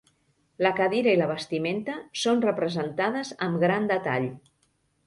La cadira i la vestimenta són representades amb gran detall.